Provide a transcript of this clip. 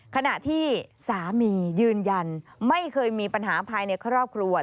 ขณะที่สามียืนยันไม่เคยมีปัญหาภายในครอบครัว